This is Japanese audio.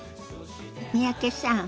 三宅さん